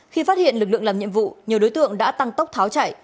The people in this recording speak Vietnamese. khi phát hiện lực lượng làm nhiệm vụ nhiều đối tượng đã tăng tốc tháo chạy